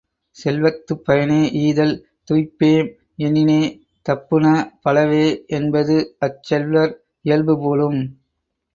செல்வத்துப் பயனே ஈதல், துய்ப்பேம் எனினே தப்புந பலவே என்பது அச் செல்வர் இயல்பு போலும்!